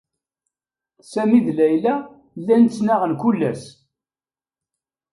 Sami d Layla llan ttnaɣen kullas.